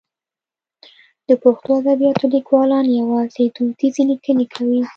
د پښتو ادبیاتو لیکوالان یوازې دودیزې لیکنې کوي.